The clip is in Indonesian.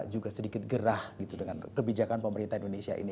juga sedikit gerah gitu dengan kebijakan pemerintah indonesia ini